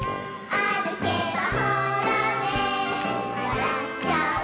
「あるけばほらねわらっちゃう」